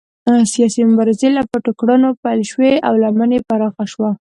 سیاسي مبارزې له پټو کړنو پیل شوې او لمن یې پراخه شوه.